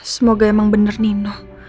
semoga emang bener nino